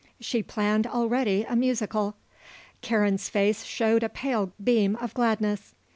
She planned already a musical. Karen's face showed a pale beam of gladness.